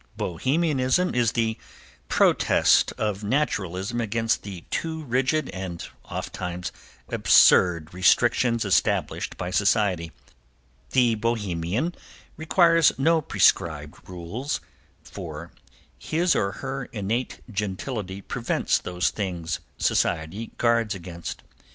Bohemianism is the protest of naturalism against the too rigid, and, oft times, absurd restrictions established by Society. The Bohemian requires no prescribed rules, for his or her innate gentility prevents those things Society guards against.